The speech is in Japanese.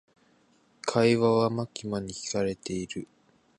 会話はマキマに聞かれている。